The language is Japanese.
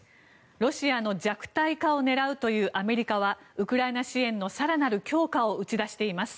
ロシアの弱体化を狙うというアメリカはウクライナ支援の更なる強化を打ち出しています。